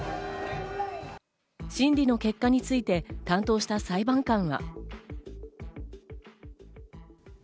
審理の結果について担当した裁判官は。